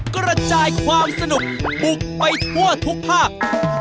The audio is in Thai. กระจายความสนุกบุกไปทั่วทุกภาค